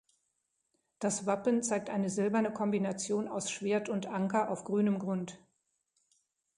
Das Wappen zeigt eine silberne Kombination aus Schwert und Anker auf grünem Grund.